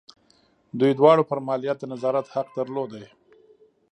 دوی دواړو پر مالیاتو د نظارت حق درلود.